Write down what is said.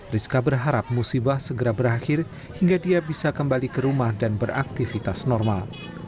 rizka berharap musibah segera berakhir hingga dia bisa kembali ke rumah dan beraktivitas normal